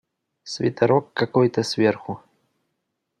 Свитерок какой-то, сверху.